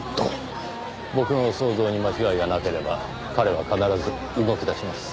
僕の想像に間違いがなければ彼は必ず動き出します。